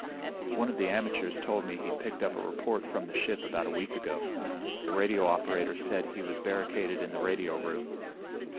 "One of the amateurs told me he'd picked up a report from the ship about a week ago. The radio operator said he was barricaded in the radio room.